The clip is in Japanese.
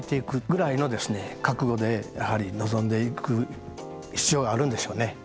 覚悟でやはり臨んでいく必要があるんでしょうね。